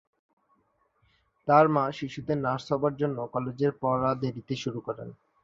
তার মা শিশুদের নার্স হবার জন্য কলেজের পড়া দেরিতে শুরু করেন।